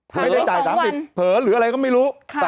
ไม่ได้จ่าย๓๐เผลอหรืออะไรก็ไม่รู้